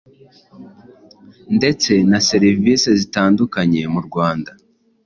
ndetse na serivisi zitandukanye mu Rwanda